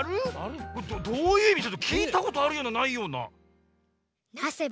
ちょっときいたことあるようなないような。